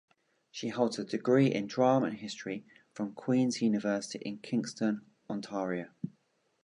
She holds a degree in drama and history from Queen's University in Kingston, Ontario.